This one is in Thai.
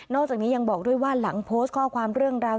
จากนี้ยังบอกด้วยว่าหลังโพสต์ข้อความเรื่องราว